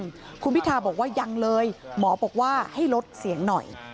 คุณพิทาบอกว่ายังเลยหมอบอกว่าให้ลดเสียงหน่อย